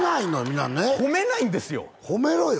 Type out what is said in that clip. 皆ね褒めないんですよ褒めろよ！